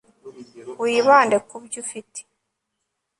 wibande ku byo ufite